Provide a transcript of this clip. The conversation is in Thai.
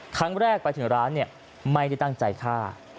ครั้งแรกไปถึงร้านไม่ได้ตั้งใจฆ่า